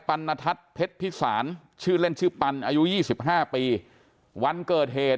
รณทัศน์เพชรพิสารชื่อเล่นชื่อปันอายุ๒๕ปีวันเกิดเหตุ